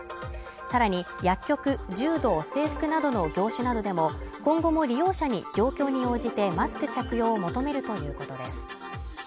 さらに、薬局、柔道整復などの業種などでも今後も利用者に状況に応じてマスク着用を求めるということです。